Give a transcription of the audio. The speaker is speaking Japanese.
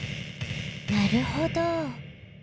なるほど。